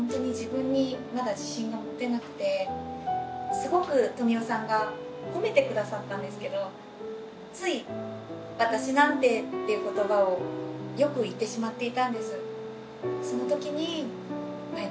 すごく富美男さんが褒めてくださったんですけどつい「私なんて」っていう言葉をよく言ってしまっていたんです。